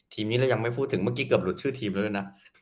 นี้เรายังไม่พูดถึงเมื่อกี้เกือบหลุดชื่อทีมแล้วด้วยนะ